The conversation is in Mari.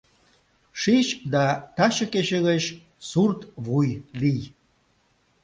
Шич да таче кече гыч сурт вуй лий!